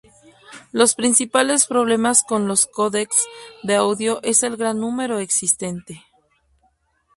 Los principales problemas con los los códecs de audio es el gran número existente.